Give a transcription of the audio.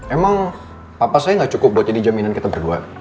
emang papa saya nggak cukup buat jadi jaminan kita berdua